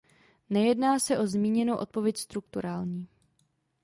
Nejedná se o zmíněnou odpověď strukturální.